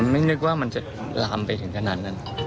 ไม่นึกว่ามันจะลามไปถึงขนาดนั้น